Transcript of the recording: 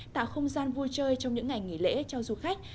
tạo không gian vui chơi trong những ngày nghỉ lễ cho du khách